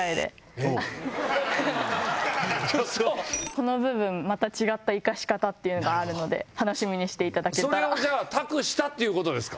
この部分また違った生かし方っていうのがあるので楽しみにしていただけたらそれをじゃあ託したっていうことですか？